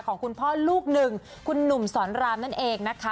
ของคุณพ่อลูกหนึ่งคุณหนุ่มสอนรามนั่นเองนะคะ